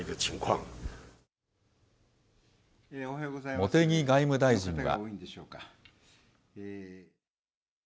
茂木外務大臣は。